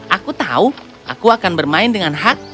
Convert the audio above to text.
aku tahu aku akan bermain dengan hak